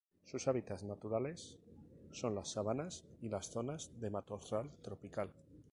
Sus hábitats naturales son las sabanas y las zonas de matorral tropical.